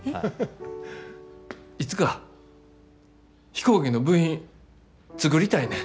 いつか飛行機の部品作りたいねん。